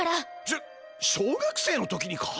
しょ小学生の時にか！？